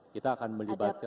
kita akan melibatkan